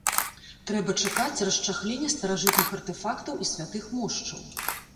Трэба чакаць расчахлення старажытных артэфактаў і святых мошчаў!